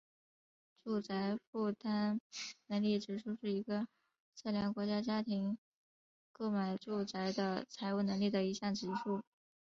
住宅负担能力指数是一个测量国民家庭购买住宅的财务能力的一项指数。